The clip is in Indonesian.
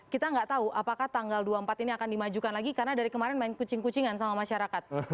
kita nggak tahu apakah tanggal dua puluh empat ini akan dimajukan lagi karena dari kemarin main kucing kucingan sama masyarakat